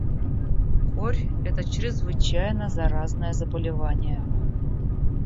Корь это чрезвычайно заразное заболевание.